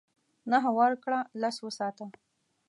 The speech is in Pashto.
نهه ورکړه لس وساته .